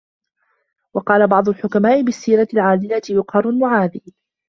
وَقَالَ بَعْضُ الْحُكَمَاءِ بِالسِّيرَةِ الْعَادِلَةِ يُقْهَرُ الْمُعَادِي